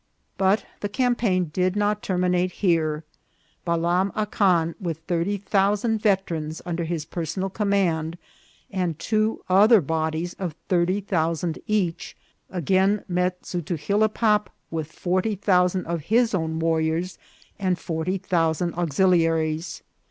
But the campaign did not terminate here. Balam Acan, with thirty thou sand veterans under his personal command and two other bodies of thirty thousand each, again met Zutugi lebpop with forty thousand of his own warriors and forty thousand auxiliaries.